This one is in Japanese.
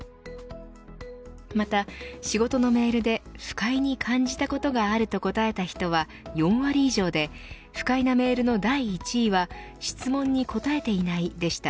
また仕事のメールで不快に感じたことがあると答えた人は４割以上で不快なメールの第１位は質問に答えていないでした。